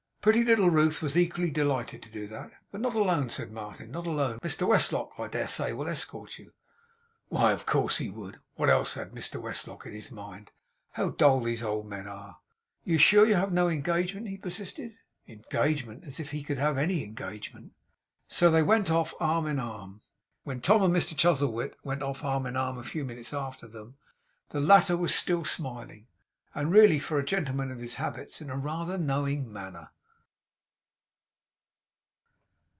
Pretty little Ruth was equally delighted to do that. 'But not alone,' said Martin, 'not alone. Mr Westlock, I dare say, will escort you.' Why, of course he would: what else had Mr Westlock in his mind? How dull these old men are! 'You are sure you have no engagement?' he persisted. Engagement! As if he could have any engagement! So they went off arm in arm. When Tom and Mr Chuzzlewit went off arm in arm a few minutes after them, the latter was still smiling; and really, for a gentleman of his habits, in rather a knowing manner.